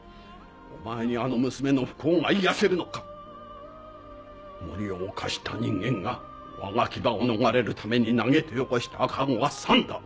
お前にあの娘の不幸が癒やせるのか⁉森を侵した人間がわが牙を逃れるために投げてよこした赤子がサンだ。